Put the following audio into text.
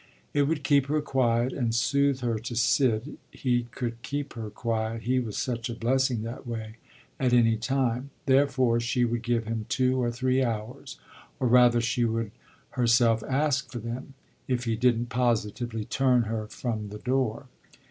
It would keep her quiet and soothe her to sit he could keep her quiet (he was such a blessing that way!) at any time. Therefore she would give him two or three hours or rather she would herself ask for them if he didn't positively turn her from the door.